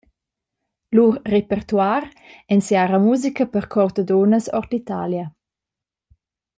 Lur repertuar ensiara musica per chor da dunnas ord l’Italia.